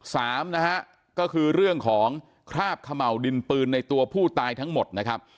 สามนะฮะก็คือเรื่องของคราบเขม่าวดินปืนในตัวผู้ตายทั้งหมดนะครับ